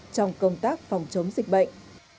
trong công tác phòng chống dịch bệnh